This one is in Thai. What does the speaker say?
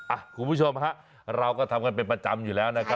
คุณผู้ชมฮะเราก็ทำกันเป็นประจำอยู่แล้วนะครับ